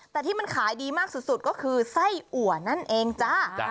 แต่ที่มันขายดีมากสุดก็คือไส้อัวนั่นเองจ้า